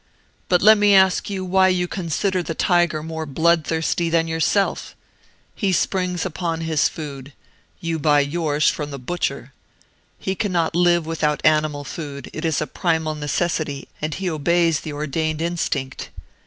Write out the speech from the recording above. But let me ask you why you consider the tiger more bloodthirsty than yourself? He springs upon his food you buy yours from the butcher. He cannot live without animal food: it is a primal necessity, and he obeys the ordained instinct.